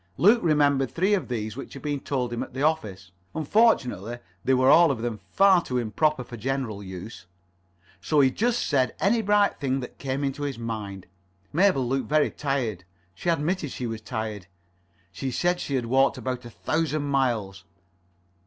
Luke remembered three of these which had been told him at the office. Unfortunately they were all of them far too improper for general use. So he just said any bright thing that came into his mind. Mabel looked very tired. She admitted she was tired. She said she had walked about a thousand miles.